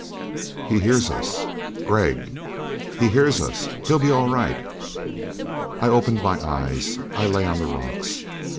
"He hears us!" "Gregg!" "He hears us. He'll be all right!" I opened my eyes, I lay on the rocks.